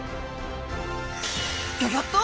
ギョギョッと！